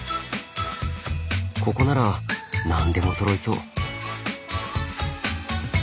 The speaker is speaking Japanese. ここなら何でもそろいそう。